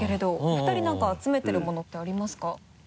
お二人何か集めてる物ってありますか？